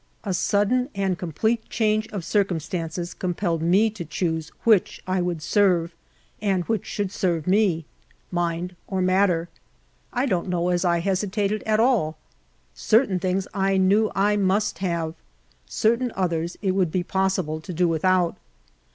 A sudden and complete change of circumstances compelled me to choose w^iich I would serve, and which should serve me — mind or matter. I don't know as I hes itated at all ; certain things I knew I must have, certain others it would be possible to do without.